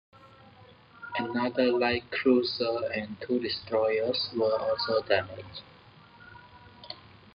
Another light cruiser and two destroyers were also damaged.